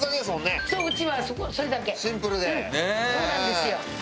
そうなんですよ。